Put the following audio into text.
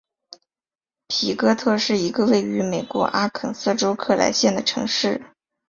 皮哥特是一个位于美国阿肯色州克莱县的城市。